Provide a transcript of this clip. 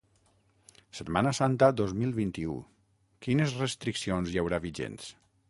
Setmana Santa dos mil vint-i-u: quines restriccions hi haurà vigents?